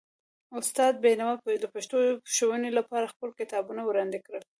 استاد بینوا د پښتو ښوونې لپاره خپل کتابونه وړاندې کړل.